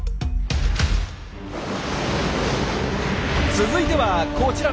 続いてはこちら！